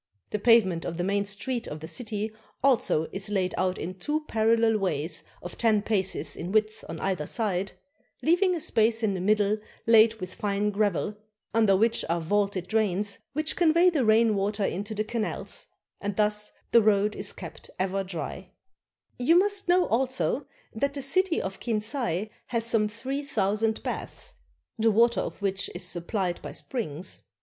The pavement of the main street of the city also is laid out in two parallel ways of ten paces in width on either side, leaving a space in the middle laid with fine gravel, under which are vaulted drains which convey the rain water into the canals; and thus the road is kept ever dry. 126 A CHINESE CITY You must know also that the city of Kinsay has some three thousand baths, the water of which is suppHed by springs.